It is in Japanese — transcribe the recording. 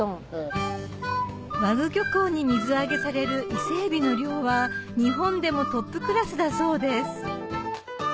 和具漁港に水揚げされる伊勢エビの量は日本でもトップクラスだそうです